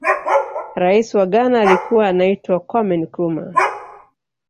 raisi wa ghana alikuwa anaitwa kwame nkurumah